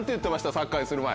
サッカーにする前。